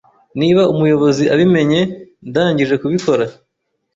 Niba umuyobozi abimenye, ndangije kubikora.